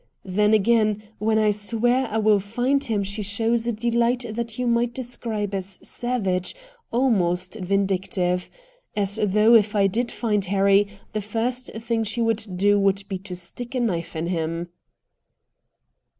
Then, again, when I swear I will find him she shows a delight that you might describe as savage, almost vindictive. As though, if I did find Harry, the first thing she would do would be to stick a knife in him."